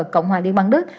cộng hòa liên bang đức